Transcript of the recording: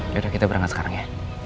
yaudah kita berangkat sekarang ya